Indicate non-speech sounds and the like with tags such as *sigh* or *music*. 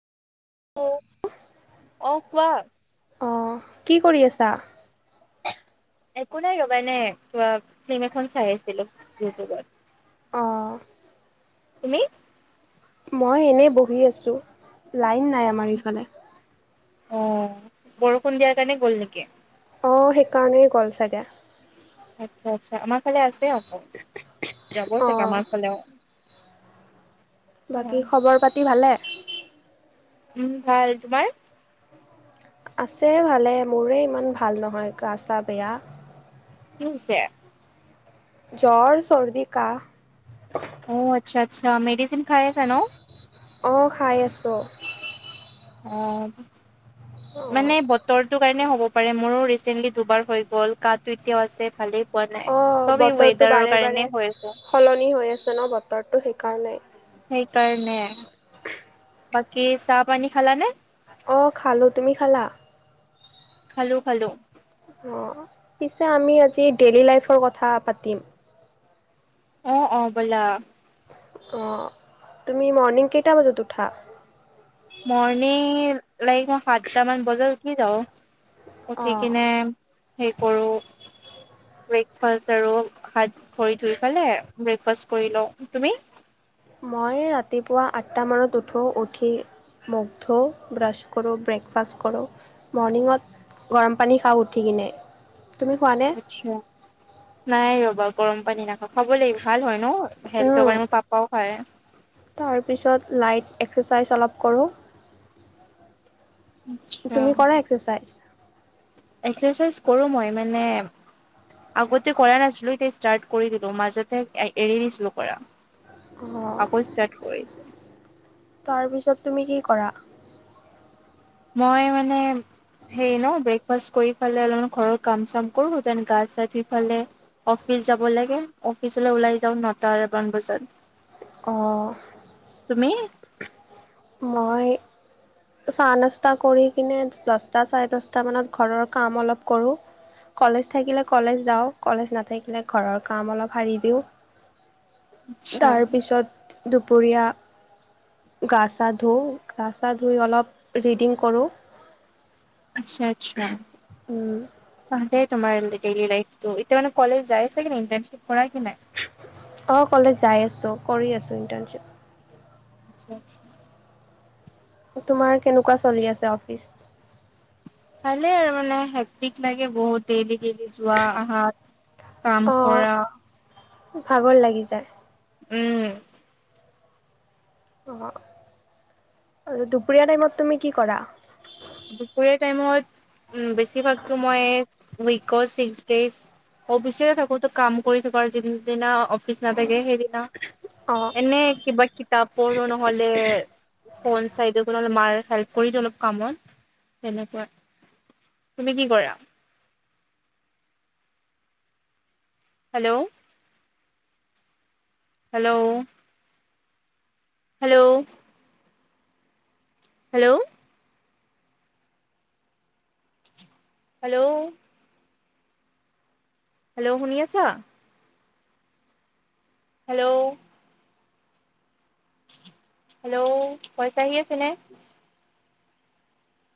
অ অঁ কোৱা অ কি কৰি আছা একো নাই ৰ'বা এনে কিবা ফিল্ম এখন চাই আছিলো ইউটিউবত অ তুমি মই এনেই বহি আছো লাইন নাই আমাৰ এইফালে অ বৰষুণ দিয়াৰ কাৰণে গল নেকি অ সেইকাৰণেই গল চাগে আচ্ছা আচ্ছা আমাৰ ফালে আছে আক যাবই চাগে অঁ আমাৰ ফালেও বাকী অ', খবৰ পাতি ভালে উম ভাল তোমাৰ আছে ভালে মোৰে ইমান ভাল নহয় গা ছা বেয়া কি হৈছে জ্বৰ চৰ্দি কাঁহ অ আচ্ছা আচ্ছা মেডিচিন খাই আছা ন অ খাই আছো অ অঁ মানে বতৰটোৰ কাৰণে হ'ব পাৰে মোৰো ৰিচেন্টলি দুবাৰ হৈ গল কাঁহটো এতিয়াও আছে ভালেই পোৱা নাই অঁ চব এই বতৰটো ৱেদাৰৰ বাৰে বাৰে কাৰণে হয় সলনি হৈ আছে ন বতৰটো সেইকাৰণে সেইকাৰণে বাকী চাহ পানী খালানে অ খালো তুমি খালা খালো খালো অ পিছে আমি আজি ডেইলী লাইফৰ কথা পাতিম অ অ ব'লা অ তুমি মৰ্ণিং কেইটা বজাত উঠা মৰ্ণিং লাইক মই সাতটামান বজাত উঠি যাওঁ উঠি অঁ কিনে সেই কৰো ব্ৰেকফাষ্ট আৰু হাত ভৰি ধুই পেলাই ব্ৰেকফাষ্ট কৰি লও তুমি মই ৰাতিপুৱা আঠটা মানত উঠো উঠি মুখ ধোও ব্ৰাছ কৰো ব্ৰেকফাষ্ট কৰো মৰ্ণিঙত গৰম পানী খাও উঠি কিনে তুমি খোৱা নে আচ্ছা নাই ৰ'বা গৰম পানী নাখাওঁ খাব লাগিব ভাল হয় ন হেলডৰ উম, কাৰণে ভাল পও খায় *unintelligible* তাৰপিছত লাইট এক্সাৰচাইজ অলপ কৰো আচ্ছা। তুমি কৰা এক্সাৰচাইজ এক্সাৰচাইজ কৰো মই মানে আগতে কৰা নাছিলো এতিয়া ষ্টাৰ্ট কৰি দিলো মাজতে এৰি দিছিলো কৰা অ আকৌ ষ্টাৰ্ট কৰিছোঁ। তাৰপিছত তুমি কি কৰা মই মানে সেই ন ব্ৰেকফাষ্ট কৰি পেলাই অলপমান ঘৰৰ কাম চাম কৰো গা চা ধূই পেলাই অফিচ যাব লাগে অফিচলৈ ওলাই যাওঁ নটাৰ মান বজাত অ তুমি মই চাহ নাস্তা কৰি কিনে দচটা চাৰে দচটা মানত ঘৰৰ কাম অলপ কৰো কলেজ থাকিলে কলেজ যাওঁ কলেজ নাথাকিলে ঘৰৰ কাম অলপ সাৰি দিওঁ আচ্ছা তাৰ পিছত দুপৰীয়া গা-চা ধো গা-চা ধুই অলপ ৰিডিং কৰোঁ। আচ্ছা আচ্ছা। তাহতে তোমাৰ ডেইলি লাইফটো, এতিয়া মানে কলেজ যাই আছে কি নাই? ইণ্টাৰশিপ কৰাই কি নাই? অ কলেজ যাই আছোঁ, কৰি আছোঁ ইটাৰশ্বিপ। আচ্ছা আচ্ছা। তোমাৰ কেনেকুৱা চলি আছে অফিচ? ভালে আৰু মানে, হেকটিক লাগে বহুত ডেইলি-ডেলি। যোৱা-আহাত, কাম অঁ কৰা ভাগৰ লাগি যায়। উম। অ, আৰু দুপৰীয়া টাইমত তুমি কি কৰা? দুপৰীয়া টাইমত উ, বেছিভাগতো মই উইক ছিক্স ডেজ অৱশ্যে, থাকোতো কাম কৰি থাককাৰ যিদিনা কৃষ নাতাগে হেই দিনা, অঁ এনে কিবা কি তপৰো নহ'লে ফোন চাই থাকো নহলে মাৰ হেল্প কৰি দিওঁ অলপ কামত তেনেকুৱা, তুমি কি কৰা? Hello hello hello hello hello hello শুনি আছা? হেল্ল' হেল্ল' পইচা আহি আছে নে?